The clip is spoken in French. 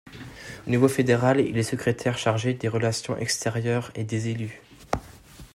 Au niveau fédéral, il est Secrétaire chargé des relations extérieures et des élus.